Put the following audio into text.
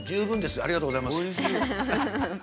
ありがとうございます。